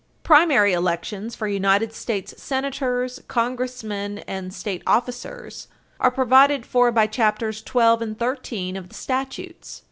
Primary elections for United States Senators, Congressmen and state officers are provided for by Chapters Twelve and Thirteen of the statutes.